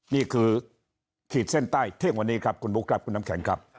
นี่คือขีดเส้นใต้เที่ยงวันนี้ครับคุณบุ๊คครับคุณน้ำแข็งครับ